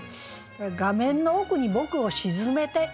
「画面の奥に僕を沈めて」。